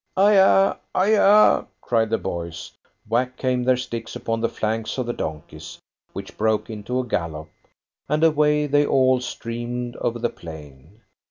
"Ay ah! Ay ah!" cried the boys, whack came their sticks upon the flanks of the donkeys, which broke into a gallop, and away they all streamed over the plain.